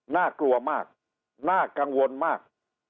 น่ากลัวมากน่ากังวลมาก